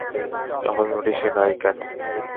তাহলে নোটিশ এ নাই কেনো?